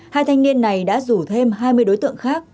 hai thanh niên này đã rủ thêm hai mươi đối tượng khác